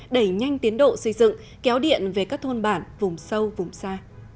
đẩy nhanh tiến độ xây dựng kéo điện về các thôn bản vùng sâu vùng xa